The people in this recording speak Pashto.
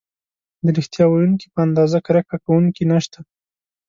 د ریښتیا ویونکي په اندازه کرکه کوونکي نشته.